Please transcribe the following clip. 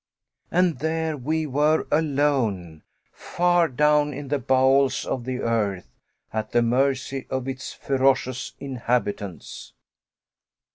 And there we were alone, far down in the bowels of the earth, at the mercy of its ferocious inhabitants!